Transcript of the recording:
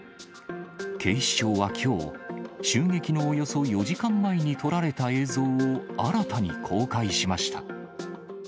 警視庁はきょう、襲撃のおよそ４時間前に撮られた映像を新たに公開しました。